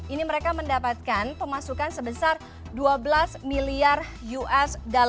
ini mereka mendapatkan pemasukan sebesar dua belas miliar usd